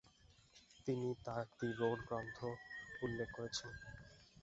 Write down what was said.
তিনি তাঁর the road গ্রন্থে উল্লেখ করেছেন।